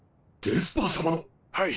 はい。